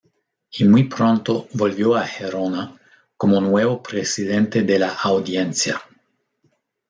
Y muy pronto volvió a Gerona, como nuevo presidente de la Audiencia.